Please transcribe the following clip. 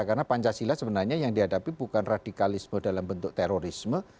karena pancasila sebenarnya yang dihadapi bukan radikalisme dalam bentuk terorisme